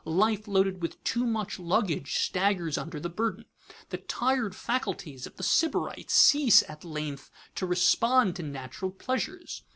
Life loaded with too much luggage staggers under the burden. The tired faculties of the Sybarite cease at length to respond to natural pleasures.